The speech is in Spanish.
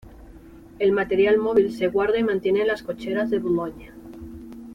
El material móvil se guarda y mantiene en las cocheras de Boulogne.